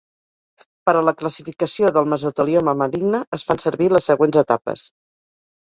Per a la classificació del mesotelioma maligne es fan servir les següents etapes.